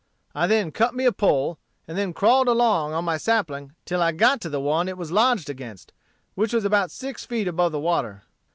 I then cut me a pole, and then crawled along on my sapling till I got to the one it was lodged against, which was about six feet above the water.